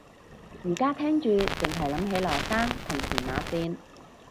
而家聽住剩係諗起羅生同屯馬綫